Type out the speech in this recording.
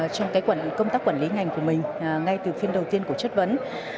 trong công tác quản lý ngành của mình ngay từ phiên đầu tiên của chất vấn